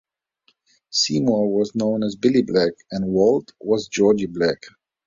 Seymour was known as Billy Black, and Walt was Georgie Black.